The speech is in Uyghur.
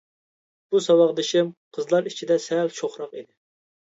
بۇ ساۋاقدىشىم قىزلار ئىچىدە سەل شوخراق ئىدى.